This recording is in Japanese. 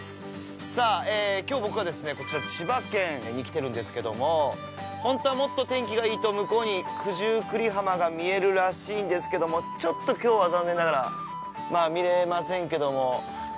さあ、きょう僕はこちら、千葉県に来ているんですけども、本当はもっと天気がいいと、向こうに九十九里浜が見えるらしいんですけども、ちょっときょうは残念ながら見れませんけども。